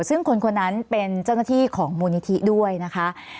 ซึ่งคนคนนั้นเป็นเจ้าหน้าที่ของมูลนิธิด้วยนะคะ